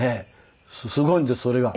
すごいんですそれが。